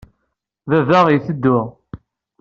Baba itteddu.